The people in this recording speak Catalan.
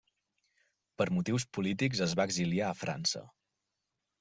Per motius polítics es va exiliar a França.